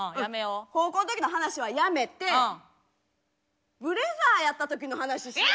高校の時の話はやめてブレザーやった時の話しよう。